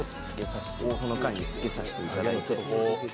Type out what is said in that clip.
その間につけさせていただいて。